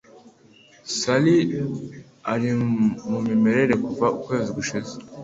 Sally ari mu mirire kuva ukwezi gushize.